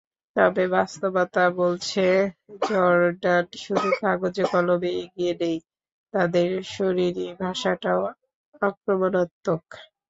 তবে বাস্তবতা বলছে, জর্ডান শুধু কাগজে-কলমেই এগিয়ে নেই, তাদের শরীরী ভাষাটাও আক্রমণাত্মক।